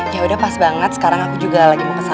ya udah pas banget sekarang aku juga lagi mau kesana